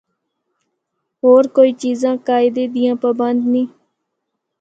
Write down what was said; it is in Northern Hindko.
ہور کوئی چیزاں قائدے دیاں پابند نیں۔